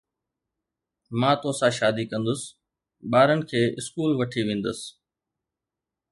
مان توسان شادي ڪندس، ٻارن کي اسڪول وٺي ويندس